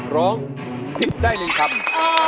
ร้องผิดได้๑คำ